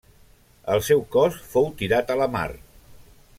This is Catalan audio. El seu cos fou tirat a la mar.